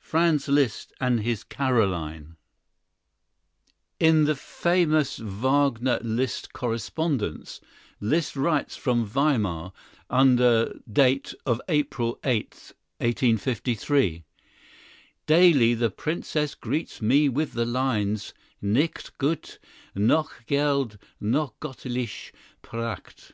Franz Liszt and his Carolyne In the famous Wagner Liszt correspondence, Liszt writes from Weimar, under date of April 8, 1853, "Daily the Princess greets me with the lines 'Nicht Gut, noch Geld, noch Göttliche Pracht.'"